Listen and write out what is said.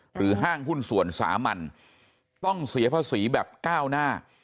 ห้างหุ้นส่วนสามัญต้องเสียภาษีแบบก้าวหน้า